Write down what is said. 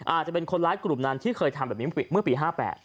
อาจจะเป็นคนร้ายกลุ่มนั้นที่เคยทำแบบนี้เมื่อปี๕๘